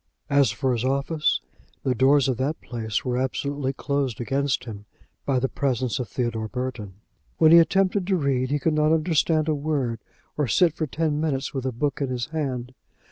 As for his office, the doors of that place were absolutely closed against him, by the presence of Theodore Burton. When he attempted to read he could not understand a word, or sit for ten minutes with a book in his hand.